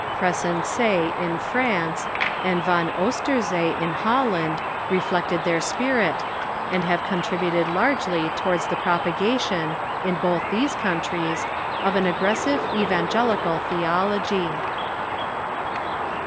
Pressense in France, and Van Oosterzee in Holland, reflected their spirit, and have contributed largely towards the propagation, in both these countries, of an aggressive evangelical theology.